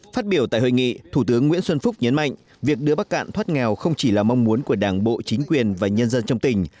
phát biểu tại hội nghị thủ tướng nguyễn xuân phúc nhấn mạnh việc đưa bắc cạn thoát nghèo không chỉ là mong muốn của đảng bộ chính quyền và nhân dân trong tỉnh